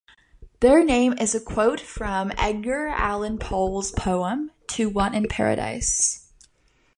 Their name is a quote from Edgar Allan Poe's poem "To One in Paradise".